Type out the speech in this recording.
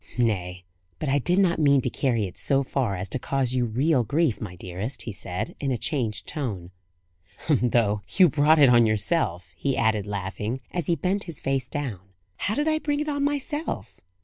"Nay, but I did not mean to carry it so far as to cause you real grief, my dearest," he said, in a changed tone. "Though you brought it on yourself," he added, laughing, as he bent his face down. "How did I bring it on myself?"